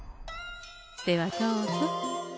ではどうぞ。